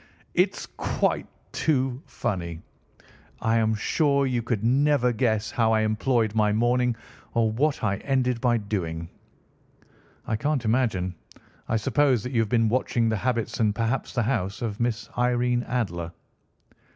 "It's quite too funny. I am sure you could never guess how I employed my morning, or what I ended by doing." "I can't imagine. I suppose that you have been watching the habits, and perhaps the house, of Miss Irene Adler."